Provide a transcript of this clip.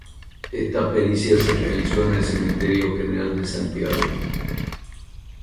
Esta pericia se realizó en el Cementerio General de Santiago.